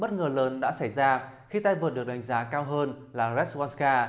bất ngờ lớn đã xảy ra khi tay vợt được đánh giá cao hơn là reshwanska